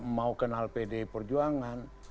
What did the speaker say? mau kenal pd perjuangan